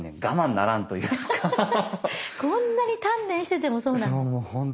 こんなに鍛錬しててもそうなんだ。